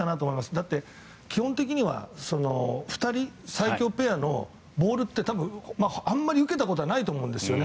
だって、基本的には２人、最強ペアのボールってあまり受けたことはないと思うんですよね。